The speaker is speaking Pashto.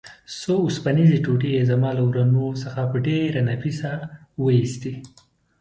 څو اوسپنیزې ټوټې یې زما له ورنو څخه په ډېره نفیسه وه ایستې.